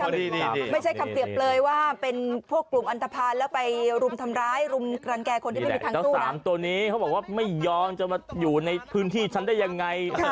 ดีแหละแล้วสามตัวนี้เขาบอกว่าไม่ย้องจะมาอยู่ในพื้นที่ชั้นได้ยังไง